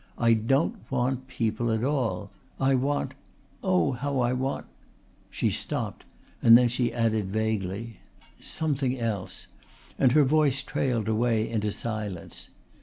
I don't want people at all. I want oh, how I want " She stopped and then she added vaguely: "Something else," and her voice trailed away into silence.